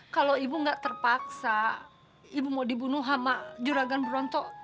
kalau ibu nggak terpaksa ibu mau dibunuh sama juragan beronto